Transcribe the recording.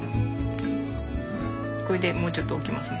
これでもうちょっと置きますね。